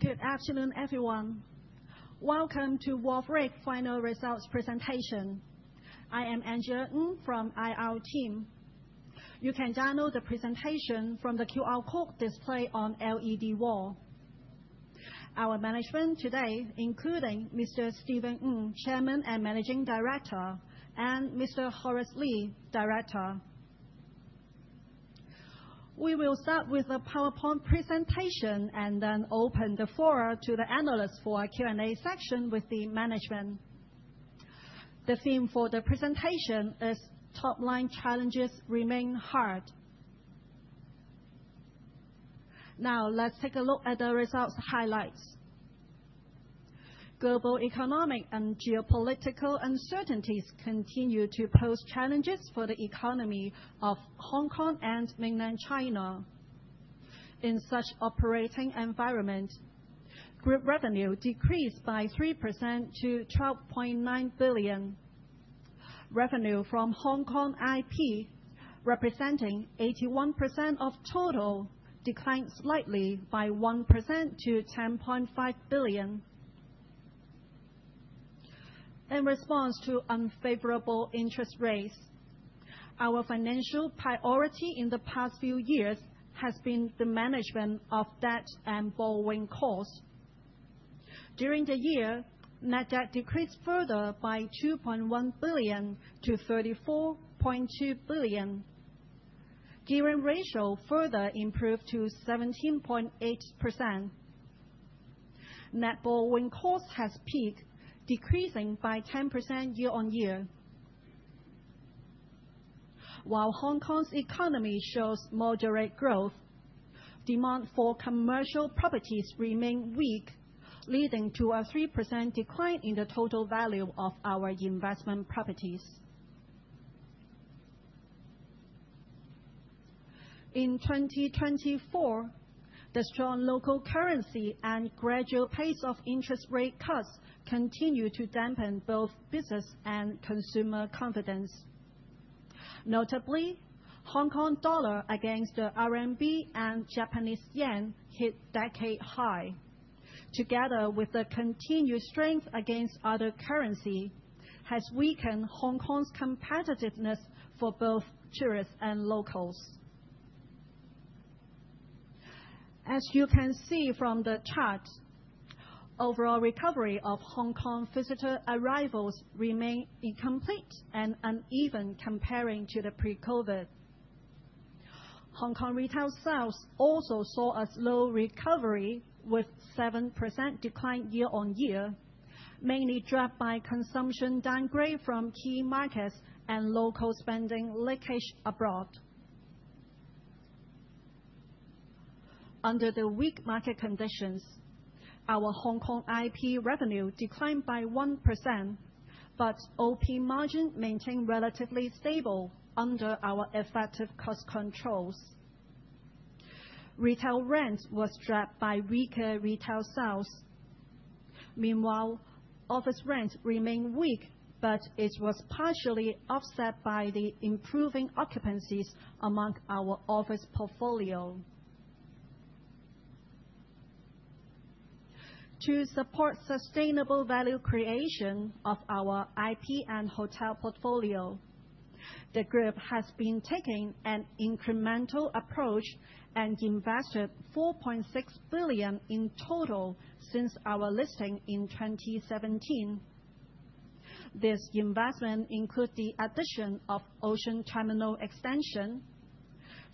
Good afternoon, everyone. Welcome to Wharf REIC's final results presentation. I am Angela Ng from the IR team. You can download the presentation from the QR code displayed on the LED wall. Our management today, including Mr. Stephen Ng, Chairman and Managing Director, and Mr. Horace Lee, Director. We will start with the PowerPoint presentation and then open the floor to the analysts for a Q&A session with the management. The theme for the presentation is "Top-line challenges remain hard." Now, let's take a look at the result highlights. Global economic and geopolitical uncertainties continue to pose challenges for the economy of Hong Kong and Mainland China. In such operating environments, group revenue decreased by 3% to 12.9 billion. Revenue from Hong Kong IP, representing 81% of total, declined slightly by 1% to 10.5 billion. In response to unfavorable interest rates, our financial priority in the past few years has been the management of debt and borrowing costs. During the year, net debt decreased further by 2.1 billion to 34.2 billion. Gearing ratio further improved to 17.8%. Net borrowing costs have peaked, decreasing by 10% year-on-year. While Hong Kong's economy shows moderate growth, demand for commercial properties remained weak, leading to a 3% decline in the total value of our investment properties. In 2024, the strong local currency and gradual pace of interest rate cuts continue to dampen both business and consumer confidence. Notably, the Hong Kong dollar against the RMB and Japanese yen hit decade high. Together with the continued strength against other currencies, it has weakened Hong Kong's competitiveness for both tourists and locals. As you can see from the chart, the overall recovery of Hong Kong visitor arrivals remained incomplete and uneven compared to the pre-COVID. Hong Kong retail sales also saw a slow recovery, with a 7% decline year-on-year, mainly driven by consumption downgrade from key markets and local spending leakage abroad. Under the weak market conditions, our Hong Kong IP revenue declined by 1%, but OP margins maintained relatively stable under our effective cost controls. Retail rents were dropped by weaker retail sales. Meanwhile, office rents remained weak, but it was partially offset by the improving occupancies among our office portfolio. To support sustainable value creation of our IP and hotel portfolio, the group has been taking an incremental approach and invested 4.6 billion in total since our listing in 2017. This investment includes the addition of Ocean Terminal Extension,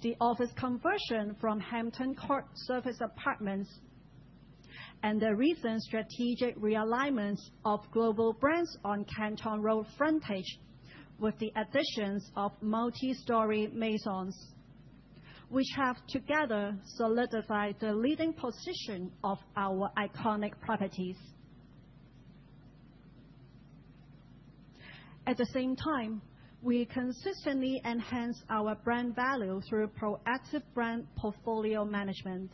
the office conversion from Hampton Court Serviced Apartments, and the recent strategic realignment of global brands on Canton Road frontage with the addition of multi-story Maisons, which have together solidified the leading position of our iconic properties. At the same time, we consistently enhance our brand value through proactive brand portfolio management.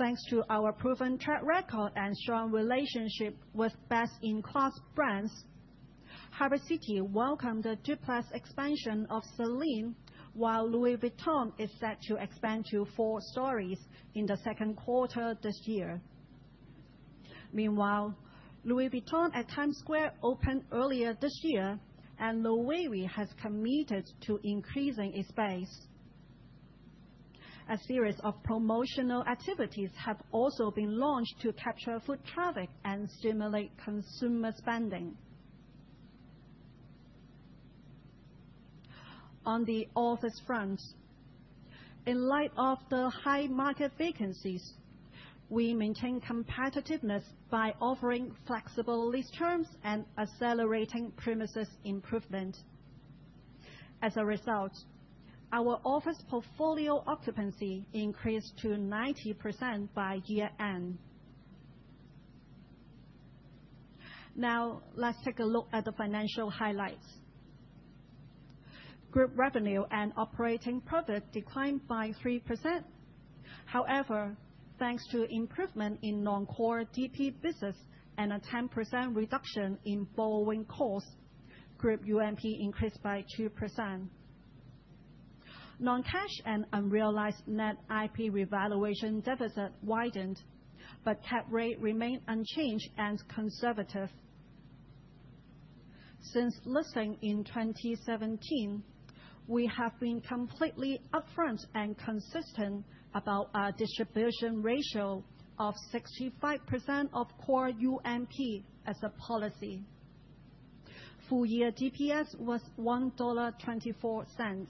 Thanks to our proven track record and strong relationship with best-in-class brands, Harbour City welcomed the duplex expansion of Celine, while Louis Vuitton is set to expand to four stories in the second quarter this year. Meanwhile, Louis Vuitton at Times Square opened earlier this year, and Loewe has committed to increasing its base. A series of promotional activities have also been launched to capture foot traffic and stimulate consumer spending. On the office front, in light of the high market vacancies, we maintain competitiveness by offering flexible lease terms and accelerating premises improvement. As a result, our office portfolio occupancy increased to 90% by year-end. Now, let's take a look at the financial highlights. Group revenue and operating profit declined by 3%. However, thanks to improvement in non-core DP business and a 10% reduction in borrowing costs, group UNP increased by 2%. Non-cash and unrealized net IP revaluation deficit widened, but cap rate remained unchanged and conservative. Since listing in 2017, we have been completely upfront and consistent about our distribution ratio of 65% of core UNP as a policy. Full-year DPS was HK$ 1.24.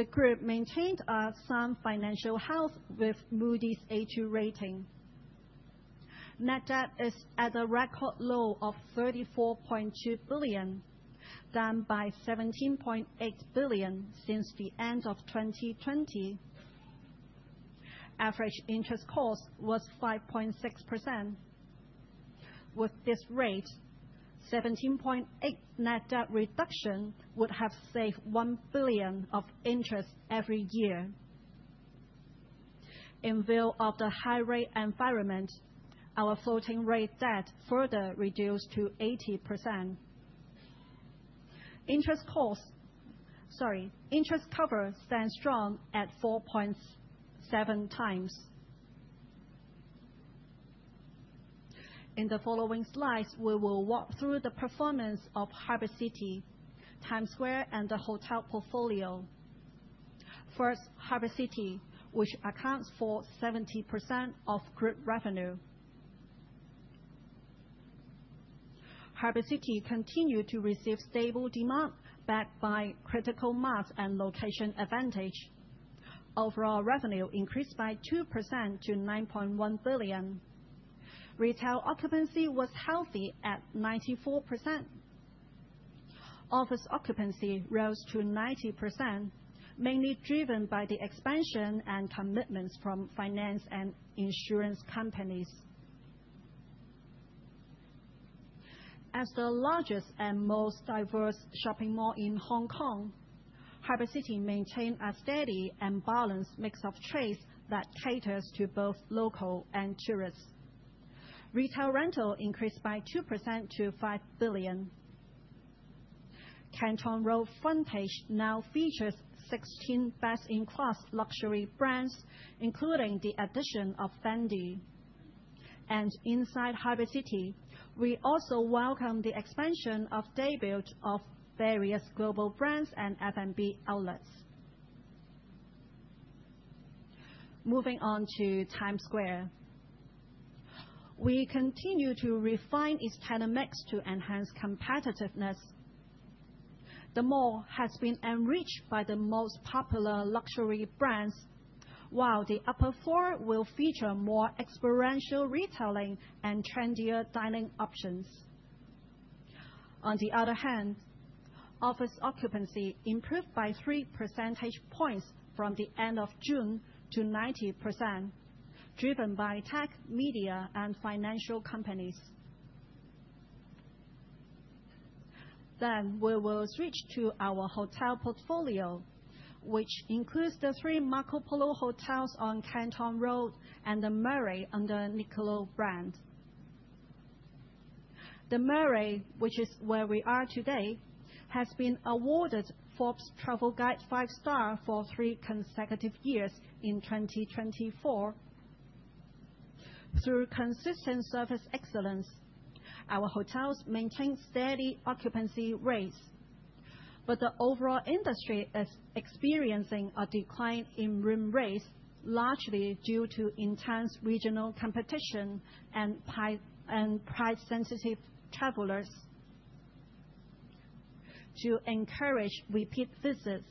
The group maintained some financial health with Moody's A2 rating. Net debt is at a record low of HK$ 34.2 billion, down by HK$ 17.8 billion since the end of 2020. Average interest cost was 5.6%. With this rate, a 17.8% net debt reduction would have saved $1 billion of interest every year. In view of the high-rate environment, our floating-rate debt further reduced to 80%. Interest cover stands strong at 4.7 times. In the following slides, we will walk through the performance of Harbour City, Times Square, and the hotel portfolio. First, Harbour City, which accounts for 70% of group revenue. Harbour City continued to receive stable demand, backed by critical mass and location advantage. Overall revenue increased by 2% to 9.1 billion. Retail occupancy was healthy at 94%. Office occupancy rose to 90%, mainly driven by the expansion and commitments from finance and insurance companies. As the largest and most diverse shopping mall in Hong Kong, Harbour City maintains a steady and balanced mix of trade that caters to both local and tourists. Retail rental increased by 2% to 5 billion. Canton Road frontage now features 16 best-in-class luxury brands, including the addition of Fendi. Inside Harbour City, we also welcome the expansion of debuts of various global brands and F&B outlets. Moving on to Times Square, we continue to refine its dynamics to enhance competitiveness. The mall has been enriched by the most popular luxury brands, while the upper floor will feature more experiential retailing and trendier dining options. On the other hand, office occupancy improved by 3 percentage points from the end of June to 90%, driven by tech, media, and financial companies. We will switch to our hotel portfolio, which includes the three Marco Polo Hotels on Canton Road and The Murray under Niccolo brand. The Murray, which is where we are today, has been awarded Forbes Travel Guide five stars for three consecutive years in 2024. Through consistent service excellence, our hotels maintain steady occupancy rates, but the overall industry is experiencing a decline in room rates, largely due to intense regional competition and price-sensitive travelers. To encourage repeat visits,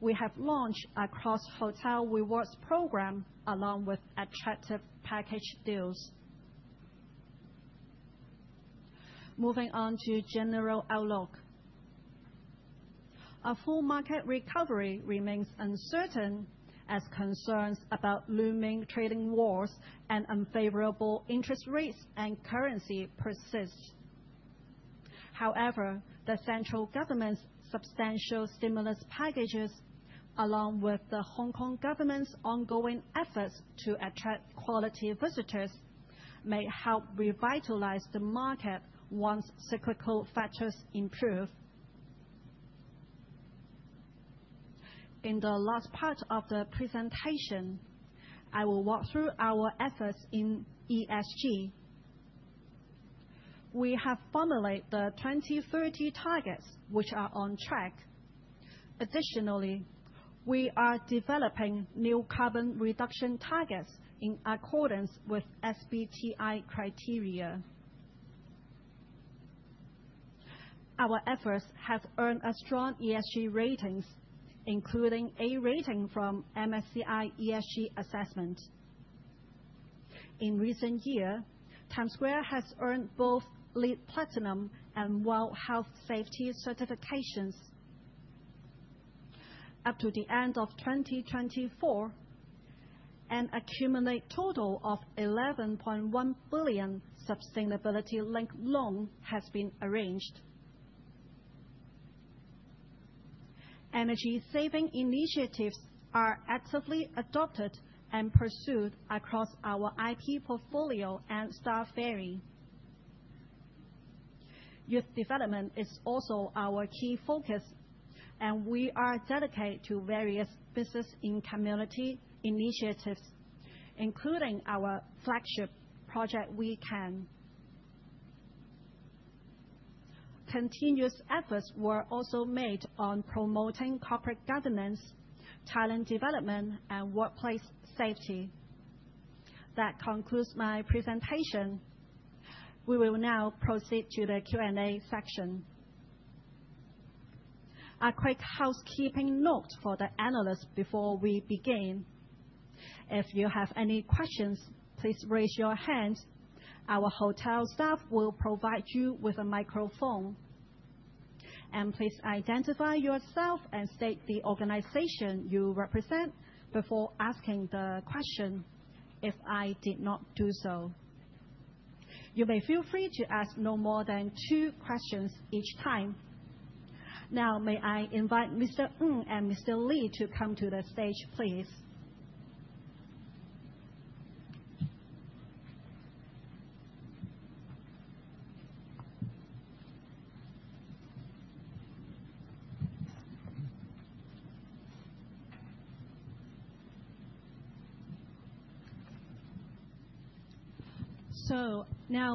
we have launched a cross-hotel rewards program along with attractive package deals. Moving on to general outlook, a full market recovery remains uncertain as concerns about looming trading wars and unfavorable interest rates and currency persist. However, the central government's substantial stimulus packages, along with the Hong Kong government's ongoing efforts to attract quality visitors, may help revitalize the market once cyclical factors improve. In the last part of the presentation, I will walk through our efforts in ESG. We have formulated the 2030 targets, which are on track. Additionally, we are developing new carbon reduction targets in accordance with SBTi criteria. Our efforts have earned strong ESG ratings, including A rating from MSCI ESG Assessment. In recent years, Times Square has earned both LEED Platinum and WELL Health-Safety certifications. Up to the end of 2024, an accumulated total of 11.1 billion sustainability-linked loans has been arranged. Energy-saving initiatives are actively adopted and pursued across our IP portfolio and Star Ferry. Youth development is also our key focus, and we are dedicated to various business-in-community initiatives, including our flagship project, WeCan. Continuous efforts were also made on promoting corporate governance, talent development, and workplace safety. That concludes my presentation. We will now proceed to the Q&A section. A quick housekeeping note for the analysts before we begin. If you have any questions, please raise your hand. Our hotel staff will provide you with a microphone. Please identify yourself and state the organization you represent before asking the question. If I did not do so, you may feel free to ask no more than two questions each time. Now, may I invite Mr. Ng and Mr. Lee to come to the stage, please?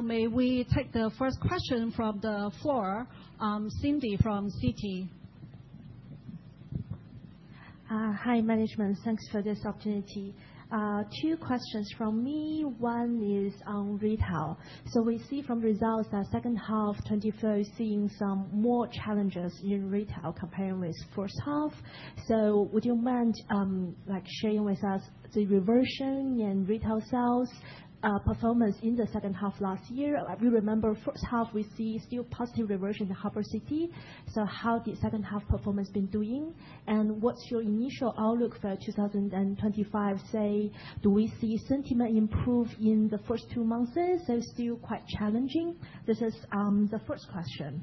May we take the first question from the floor? Cindy from Citi. Hi, management. Thanks for this opportunity. Two questions from me. One is on retail. We see from results that the second half of 2024 is seeing some more challenges in retail compared with the first half. Would you mind sharing with us the reversion and retail sales performance in the second half last year? If you remember, the first half, we see still positive reversion in Harbour City. How has the second half performance been doing? What's your initial outlook for 2025? Say do we see sentiment improve in the first two months? Still quite challenging. This is the first question.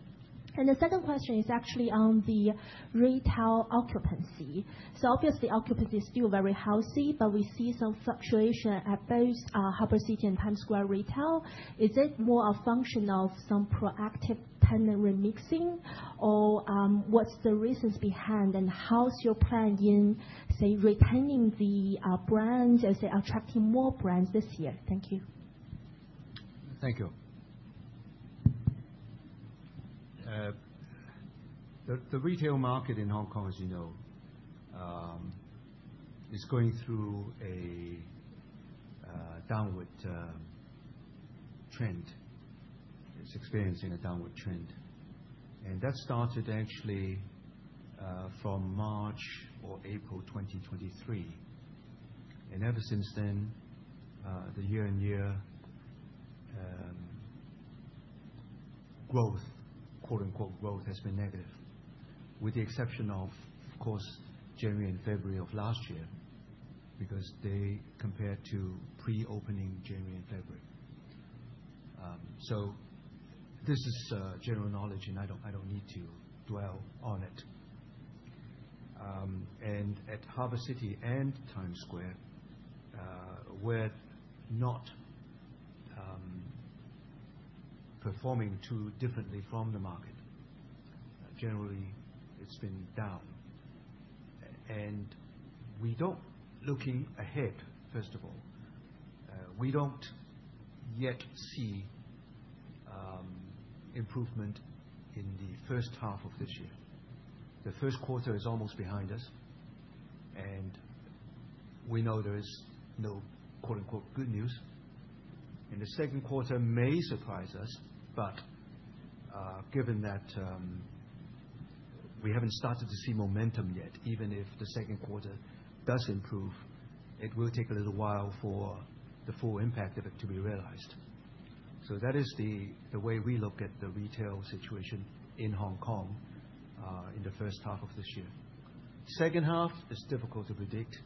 The second question is actually on the retail occupancy. Obviously, occupancy is still very healthy, but we see some fluctuation at both Harbour City and Times Square retail. Is it more a function of some proactive tenant remixing, or what are the reasons behind, and how is your plan in, say, retaining the brands and, say, attracting more brands this year? Thank you. Thank you. The retail market in Hong Kong, as you know, is going through a downward trend. It is experiencing a downward trend. That started actually from March or April 2023. Ever since then, the year-on-year growth, quote-unquote, growth has been negative, with the exception of, of course, January and February of last year, because they compared to pre-opening January and February. This is general knowledge, and I do not need to dwell on it. At Harbour City and Times Square, we're not performing too differently from the market. Generally, it's been down. We don't, looking ahead, first of all, we don't yet see improvement in the first half of this year. The first quarter is almost behind us, and we know there is no, quote-unquote, good news. The second quarter may surprise us but given that we haven't started to see momentum yet, even if the second quarter does improve, it will take a little while for the full impact of it to be realized. That is the way we look at the retail situation in Hong Kong in the first half of this year. Second half is difficult to predict.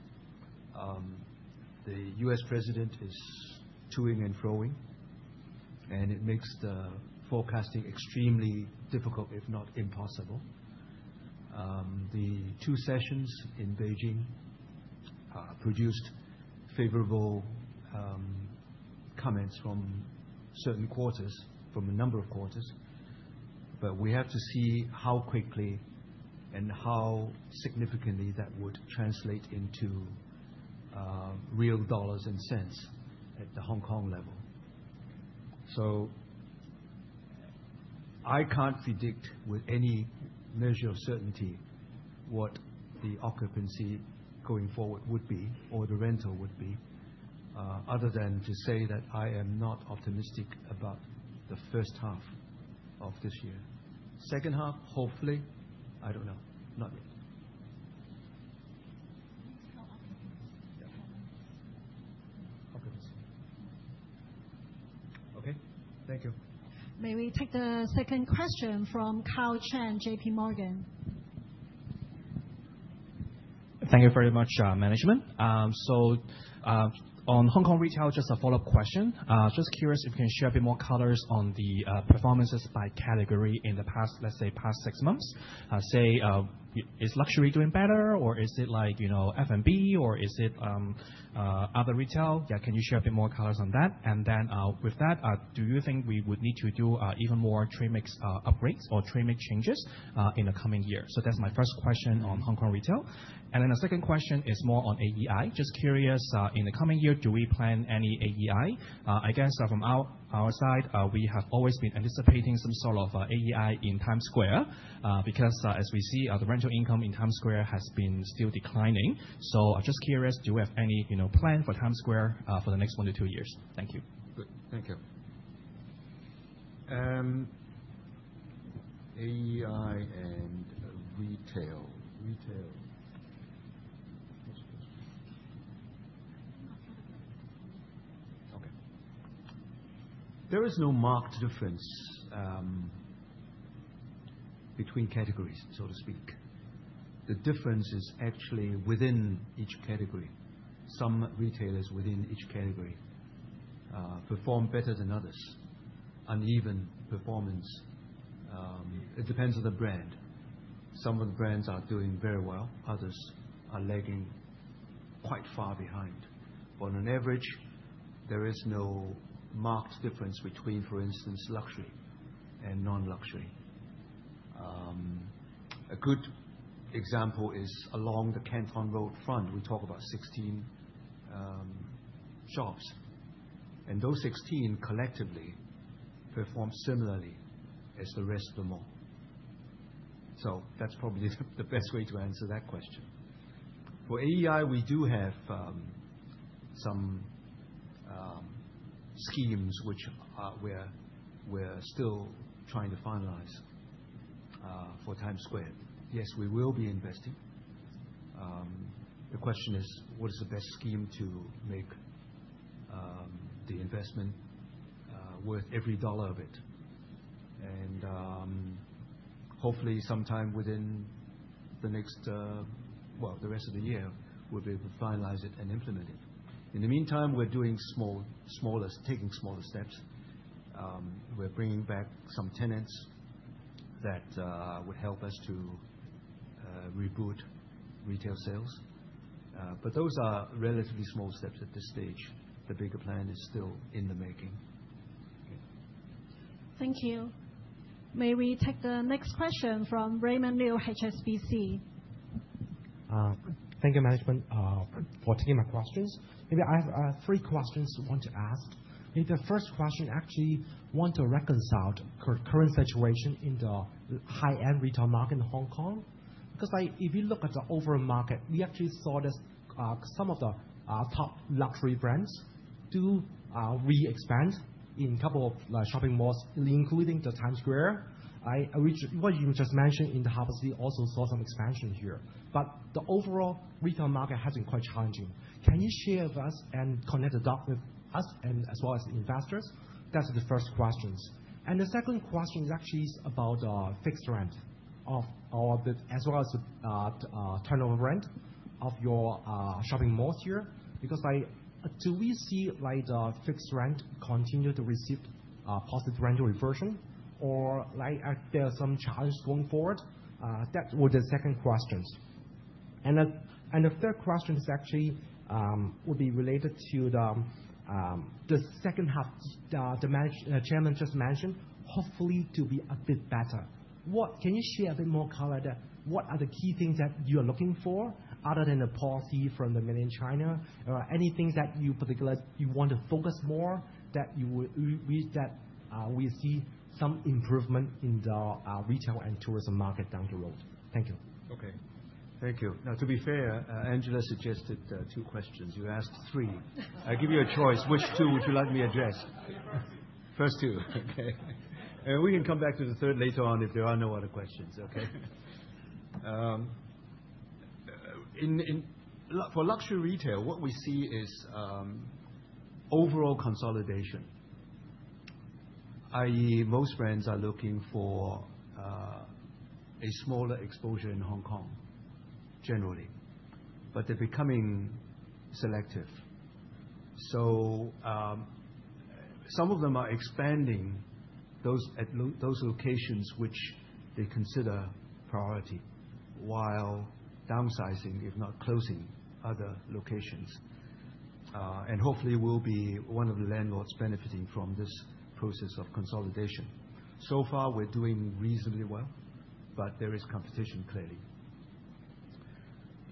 The U.S. president is toing and froing, and it makes the forecasting extremely difficult, if not impossible. The Two Sessions in Beijing produced favorable comments from certain quarters, from a number of quarters, but we have to see how quickly and how significantly that would translate into real dollars and cents at the Hong Kong level. I can't predict with any measure of certainty what the occupancy going forward would be or the rental would be, other than to say that I am not optimistic about the first half of this year. Second half, hopefully. I don't know. Not yet. Yeah. Okay. Thank you. May we take the second question from Khao Chen, JP Morgan? Thank you very much, management. On Hong Kong retail, just a follow-up question. Just curious if you can share a bit more colors on the performances by category in the past, let's say, past six months. Say is luxury doing better, or is it like F&B, or is it other retail? Yeah, can you share a bit more colors on that? With that, do you think we would need to do even more trade mix upgrades or trade mix changes in the coming year? That is my first question on Hong Kong retail. The second question is more on AEI. Just curious, in the coming year, do we plan any AEI? I guess from our side, we have always been anticipating some sort of AEI in Times Square because, as we see, the rental income in Times Square has been still declining. I am just curious, do we have any plan for Times Square for the next one to two years? Thank you. Good. Thank you. AEI and Retail. Retail. There is no marked difference between categories, so to speak. The difference is actually within each category. Some retailers within each category perform better than others. Uneven performance. It depends on the brand. Some of the brands are doing very well. Others are lagging quite far behind. On average, there is no marked difference between, for instance, luxury and non-luxury. A good example is along the Canton Road front, we talk about 16 shops. Those 16 collectively perform similarly as the rest of the mall. That is probably the best way to answer that question. For AEI, we do have some schemes which we are still trying to finalize for Times Square. Yes, we will be investing. The question is, what is the best scheme to make the investment worth every dollar of it? Hopefully, sometime within the next, the rest of the year, we will be able to finalize it and implement it. In the meantime, we're doing smaller, taking smaller steps. We're bringing back some tenants that would help us to reboot retail sales. Those are relatively small steps at this stage. The bigger plan is still in the making. Okay. Thank you. May we take the next question from Raymond Liu, HSBC? Thank you, management, for taking my questions. Maybe I have three questions I want to ask. The first question, actually, I want to reconcile the current situation in the high-end retail market in Hong Kong. Because if you look at the overall market, we actually saw that some of the top luxury brands do re-expand in a couple of shopping malls, including Times Square, which, what you just mentioned in Harbour City, also saw some expansion here. The overall retail market has been quite challenging. Can you share with us and connect the dots with us as well as investors? That is the first question. The second question actually is about the fixed rent as well as the turnover rent of your shopping malls here. Do we see the fixed rent continue to receive positive rental reversion, or are there some challenges going forward? That was the second question. The third question actually would be related to the second half the Chairman just mentioned, hopefully to be a bit better. Can you share a bit more color on what are the key things that you are looking for other than the policy from mainland China or anything that you particularly want to focus more on that you wish that we see some improvement in the retail and tourism market down the road? Thank you. Okay. Thank you. Now, to be fair, Angela suggested two questions. You asked three. I give you a choice. Which two would you like me to address? First two. Okay We can come back to the third later on if there are no other questions. Okay. For luxury retail, what we see is overall consolidation, i.e., most brands are looking for a smaller exposure in Hong Kong generally, but they're becoming selective. Some of them are expanding those locations which they consider priority while downsizing, if not closing, other locations. Hopefully, we'll be one of the landlords benefiting from this process of consolidation. So far, we're doing reasonably well, but there is competition, clearly.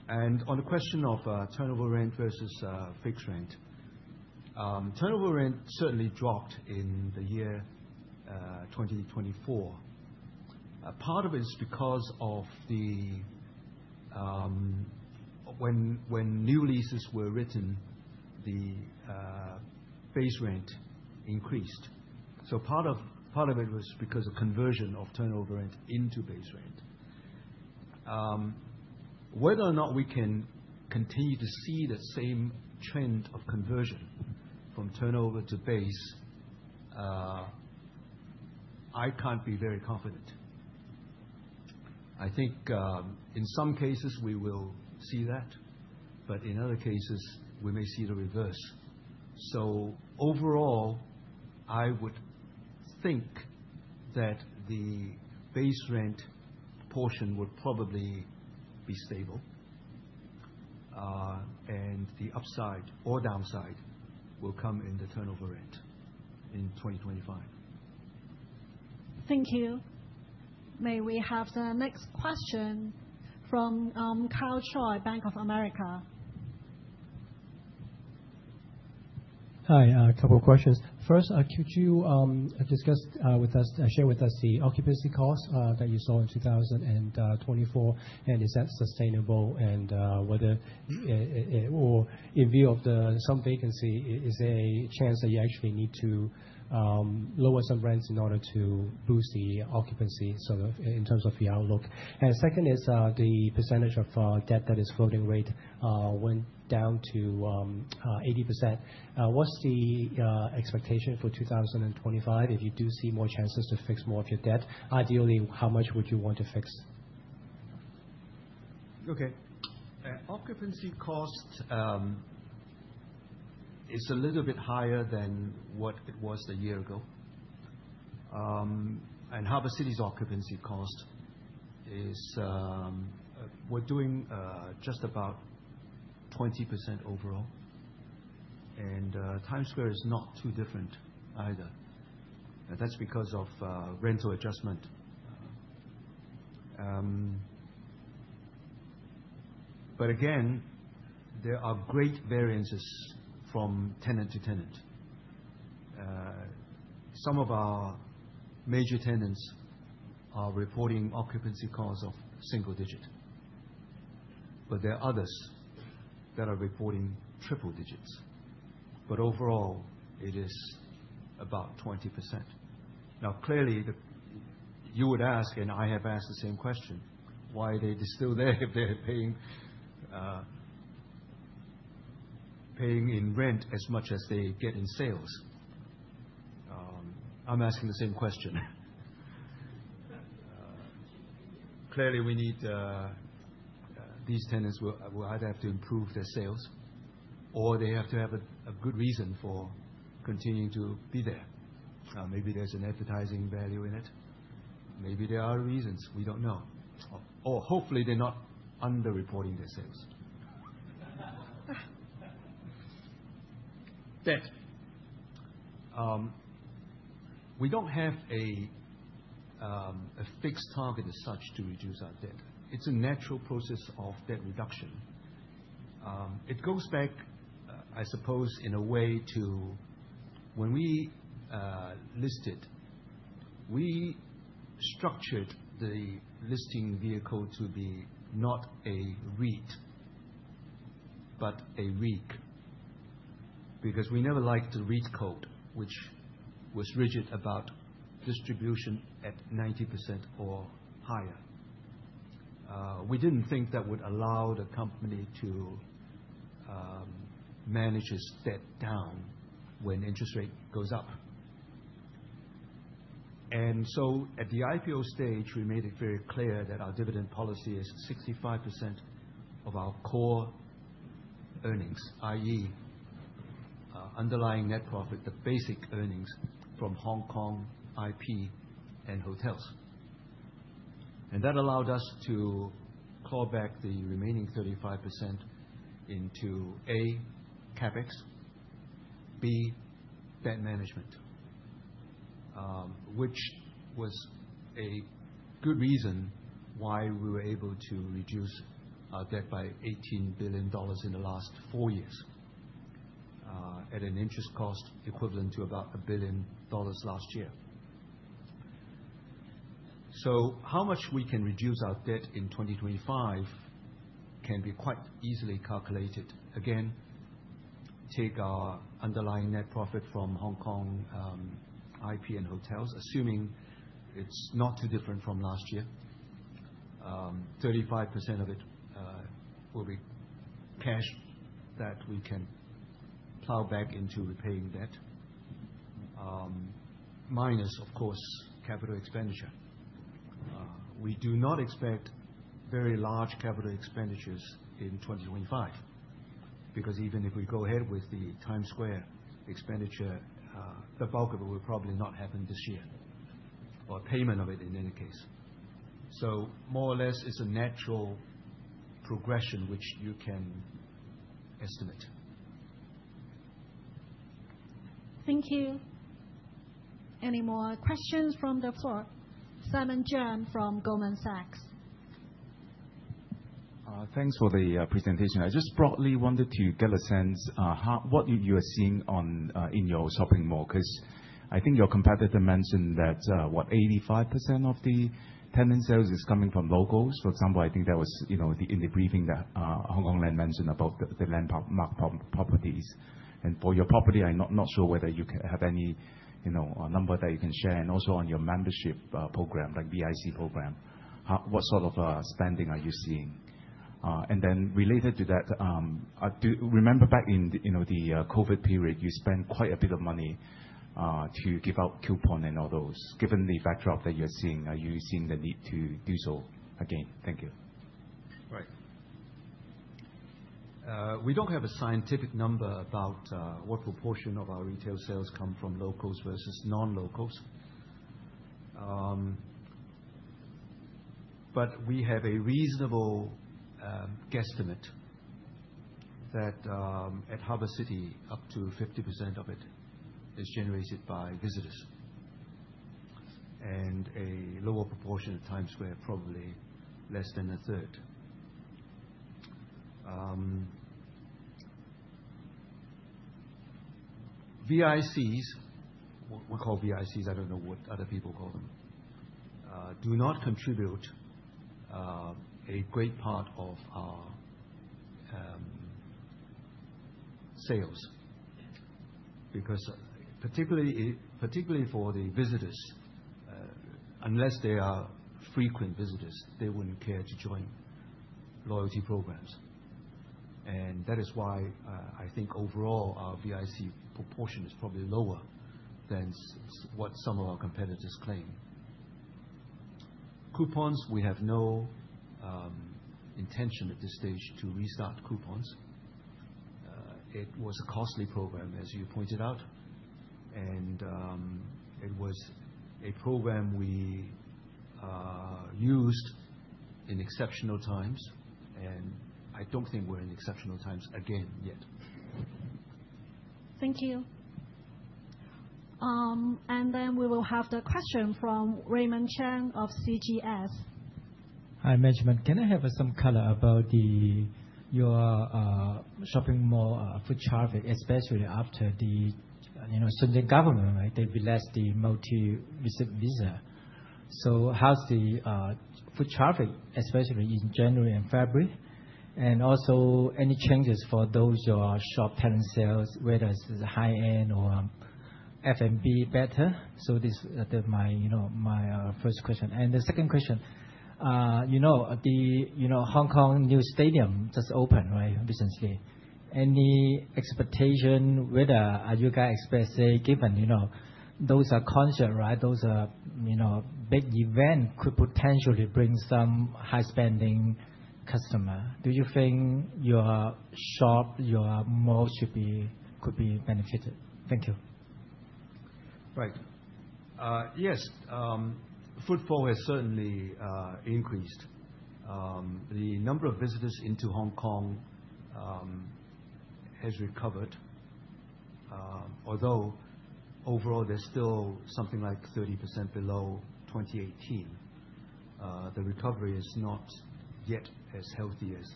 On the question of turnover rent versus fixed rent, turnover rent certainly dropped in the year 2024. Part of it is because of when new leases were written, the base rent increased. Part of it was because of conversion of turnover rent into base rent. Whether or not we can continue to see the same trend of conversion from turnover to base, I can't be very confident. I think in some cases, we will see that, but in other cases, we may see the reverse. Overall, I would think that the base rent portion would probably be stable, and the upside or downside will come in the turnover rent in 2025. Thank you. May we have the next question from Karl Choi, Bank of America? Hi. A couple of questions. First, could you discuss with us, share with us the occupancy costs that you saw in 2024, and is that sustainable, and whether, or in view of some vacancy, is there a chance that you actually need to lower some rents in order to boost the occupancy sort of in terms of your outlook? Second is the percentage of debt that is floating rate went down to 80%. What's the expectation for 2025 if you do see more chances to fix more of your debt? Ideally, how much would you want to fix? Okay. Occupancy costs is a little bit higher than what it was a year ago. Harbour City's occupancy cost is we're doing just about 20% overall. Times Square is not too different either. That's because of rental adjustment. Again, there are great variances from tenant to tenant. Some of our major tenants are reporting occupancy costs of single digits. There are others that are reporting triple digits. Overall, it is about 20%. Now, clearly, you would ask, and I have asked the same question, why are they still there if they're paying in rent as much as they get in sales? I'm asking the same question. Clearly, we need these tenants will either have to improve their sales, or they have to have a good reason for continuing to be there. Maybe there's an advertising value in it. Maybe there are reasons. We don't know. Or hopefully, they're not underreporting their sales. We don't have a fixed target as such to reduce our debt. It's a natural process of debt reduction. It goes back, I suppose, in a way to when we listed, we structured the listing vehicle to be not a REIT, but a REIC. Because we never liked the REIT code, which was rigid about distribution at 90% or higher. We did not think that would allow the company to manage a set down when interest rate goes up. At the IPO stage, we made it very clear that our dividend policy is 65% of our core earnings, i.e., underlying net profit, the basic earnings from Hong Kong IP and hotels. That allowed us to claw back the remaining 35% into A, CapEx, B, debt management, which was a good reason why we were able to reduce our debt by 18 billion dollars in the last four years at an interest cost equivalent to about 1 billion dollars last year. How much we can reduce our debt in 2025 can be quite easily calculated. Again, take our underlying net profit from Hong Kong IP and hotels, assuming it's not too different from last year. 35% of it will be cash that we can plow back into repaying debt, minus, of course, capital expenditure. We do not expect very large capital expenditures in 2025 because even if we go ahead with the Times Square expenditure, the bulk of it will probably not happen this year or payment of it in any case. More or less, it's a natural progression which you can estimate. Thank you. Any more questions from the floor? Simon Cheung from Goldman Sachs. Thanks for the presentation. I just broadly wanted to get a sense of what you are seeing in your shopping mall because I think your competitor mentioned that, what, 85% of the tenant sales is coming from locals. For example, I think that was in the briefing that Hong Kong Land mentioned about the landmark properties. For your property, I'm not sure whether you have any number that you can share. Also on your membership program, like VIC program, what sort of spending are you seeing? Related to that, remember back in the COVID period, you spent quite a bit of money to give out coupons and all those. Given the factor of that you're seeing, are you seeing the need to do so again? Thank you. Right. We don't have a scientific number about what proportion of our retail sales come from locals versus non-locals. We have a reasonable guesstimate that at Harbour City, up to 50% of it is generated by visitors. A lower proportion at Times Square, probably less than a third. VICs, what we call VICs, I do not know what other people call them, do not contribute a great part of our sales because particularly for the visitors, unless they are frequent visitors, they would not care to join loyalty programs. That is why I think overall our VIC proportion is probably lower than what some of our competitors claim. Coupons, we have no intention at this stage to restart coupons. It was a costly program, as you pointed out. It was a program we used in exceptional times. I do not think we are in exceptional times again yet. Thank you. We will have the question from Raymond Cheng of CGS. Hi, management. Can I have some color about your shopping mall foot traffic, especially after the Shenzhen government, right? They blessed the multi-visit visa. How's the foot traffic, especially in January and February? Also, any changes for those who are shop tenant sales, whether it's the high-end or F&B better? This is my first question. The second question, the Hong Kong New Stadium just opened, right, recently. Any expectation? Whether are you guys expect, say, given those are concerts, right? Those are big events could potentially bring some high-spending customers. Do you think your shop, your mall should be, could be benefited? Thank you. Right. Yes. Footfall has certainly increased. The number of visitors into Hong Kong has recovered. Although overall, there's still something like 30% below 2018, the recovery is not yet as healthy as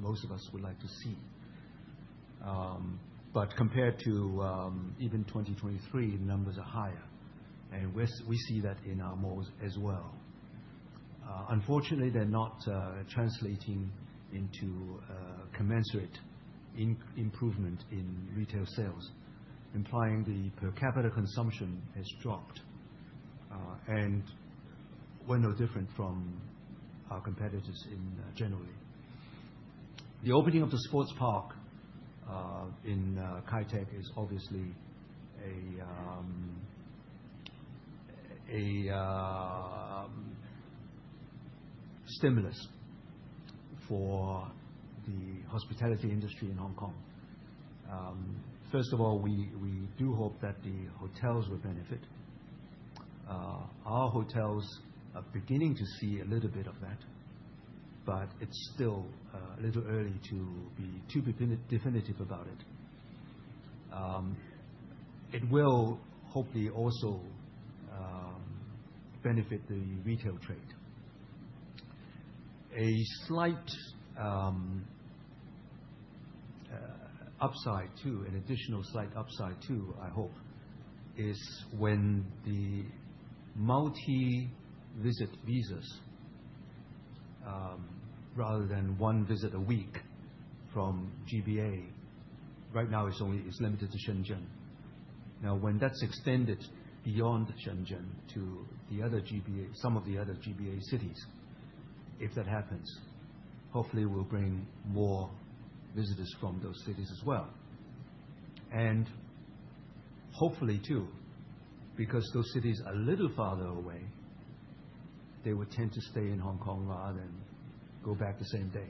most of us would like to see. Compared to even 2023, the numbers are higher. We see that in our malls as well. Unfortunately, they are not translating into commensurate improvements in retail sales, implying the per capita consumption has dropped. We are no different from our competitors in general. The opening of the sports park in Kai Tak is obviously a stimulus for the hospitality industry in Hong Kong. First of all, we do hope that the hotels will benefit. Our hotels are beginning to see a little bit of that, but it is still a little early to be too definitive about it. It will hopefully also benefit the retail trade. A slight upside too, an additional slight upside too, I hope, is when the multi-visit visas rather than one visit a week from GBA, right now it is only limited to Shenzhen. Now, when that's extended beyond Shenzhen to some of the other GBA cities, if that happens, hopefully we'll bring more visitors from those cities as well. Hopefully too, because those cities are a little farther away, they will tend to stay in Hong Kong rather than go back the same day.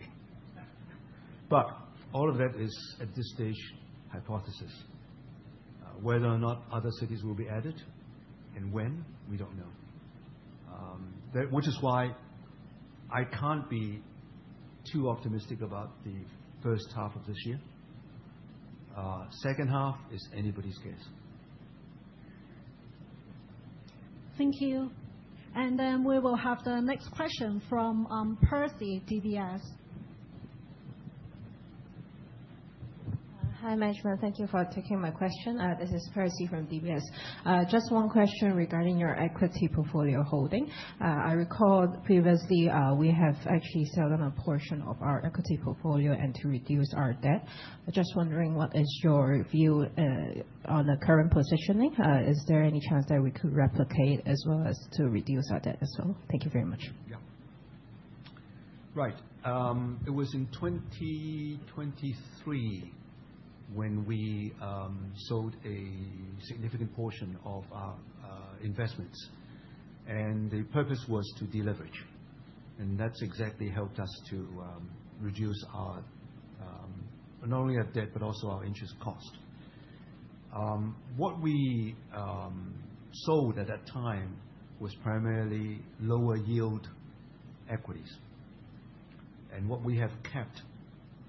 All of that is, at this stage, hypothesis. Whether or not other cities will be added and when, we don't know. That is why I can't be too optimistic about the first half of this year. Second half is anybody's guess. Thank you. We will have the next question from Percy at DBS. Hi, Management. Thank you for taking my question. This is Percy from DBS. Just one question regarding your equity portfolio holding. I recall previously we have actually sold a portion of our equity portfolio to reduce our debt. Just wondering what is your view on the current positioning? Is there any chance that we could replicate as well as to reduce our debt as well? Thank you very much. Yeah. Right. It was in 2023 when we sold a significant portion of our investments. The purpose was to deleverage. That exactly helped us to reduce not only our debt, but also our interest cost. What we sold at that time was primarily lower yield equities. What we have kept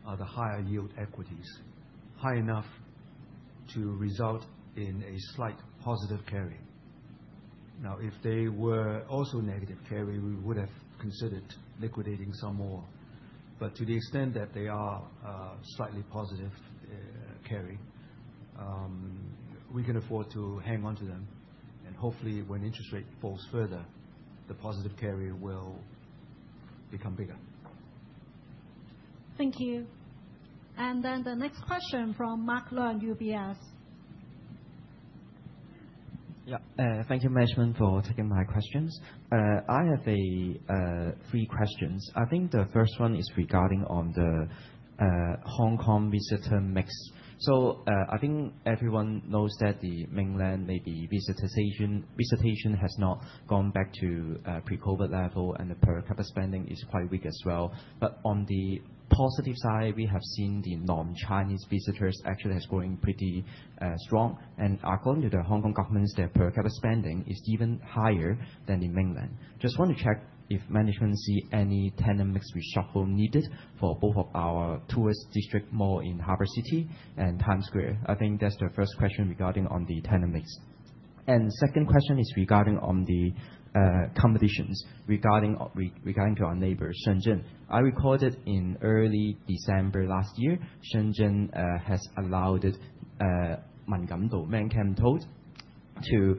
are the higher yield equities, high enough to result in a slight positive carry. If they were also negative carry, we would have considered liquidating some more. To the extent that they are slightly positive carry, we can afford to hang on to them. Hopefully, when interest rate falls further, the positive carry will become bigger. Thank you. The next question from Mark Leung UBS. Yeah. Thank you, Management, for taking my questions. I have three questions. I think the first one is regarding on the Hong Kong visitor mix. I think everyone knows that the mainland maybe visitation has not gone back to pre-COVID level, and the per capita spending is quite weak as well. On the positive side, we have seen the non-Chinese visitors actually has growing pretty strong. According to the Hong Kong governments, their per capita spending is even higher than the mainland. Just want to check if management see any tenant mix reshuffle needed for both of our tourist district mall in Harbour City and Times Square. I think that's the first question regarding on the tenant mix. The second question is regarding on the competitions regarding to our neighbor, Shenzhen. I recorded in early December last year, Shenzhen has allowed it, Man Kam To, Man Kam To, to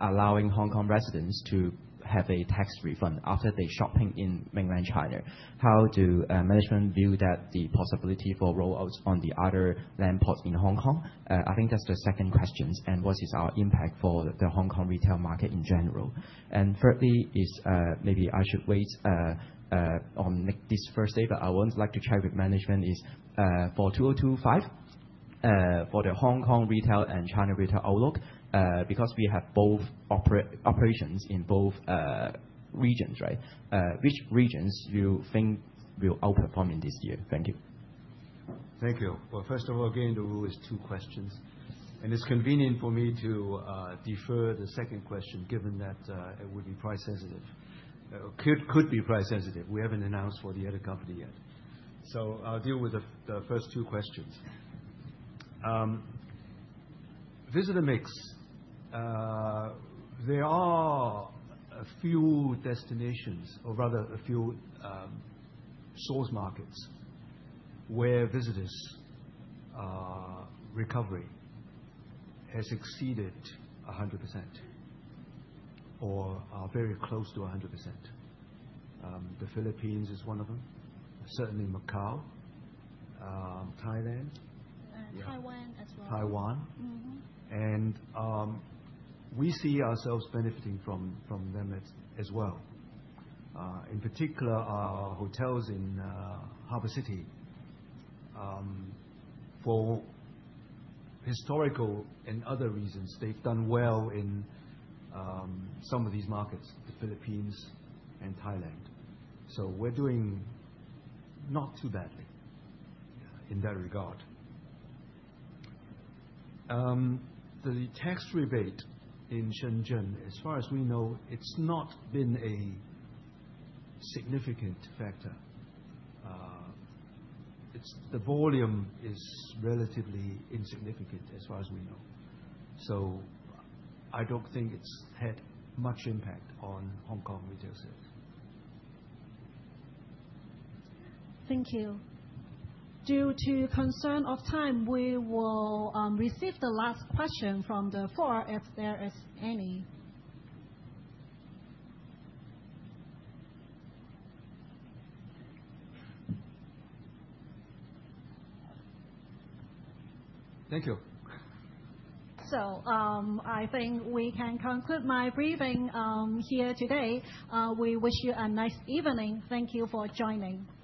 allowing Hong Kong residents to have a tax refund after they shopping in mainland China. How do management view that the possibility for rollouts from the other landports in Hong Kong? I think that's the second question. What is our impact for the Hong Kong retail market in general? Thirdly is maybe I should wait on this first day, but I wouldn't like to check with management is for 2025 for the Hong Kong retail and China retail outlook because we have both operations in both regions, right? Which regions you think will outperform in this year? Thank you. Thank you. First of all, again, the rule is two questions. It's convenient for me to defer the second question given that it would be price sensitive. Could be price sensitive. We haven't announced for the other company yet. I'll deal with the first two questions. Visitor mix. There are a few destinations or rather a few source markets where visitors' recovery has exceeded 100% or are very close to 100%. The Philippines is one of them, certainly Macau, Thailand. Taiwan as well. Taiwan. We see ourselves benefiting from them as well. In particular, our hotels in Harbour City for historical and other reasons, they've done well in some of these markets, the Philippines and Thailand. We're doing not too badly in that regard. The tax rebate in Shenzhen, as far as we know, it's not been a significant factor. The volume is relatively insignificant as far as we know. I don't think it's had much impact on Hong Kong retail sales. Thank you. Due to concern of time, we will receive the last question from the floor if there is any. Thank you. I think we can conclude my briefing here today. We wish you a nice evening. Thank you for joining. Thank you.